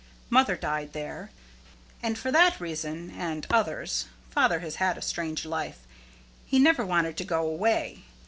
Mother died there, and for that reason and others father has had a strange life he never wanted to go away.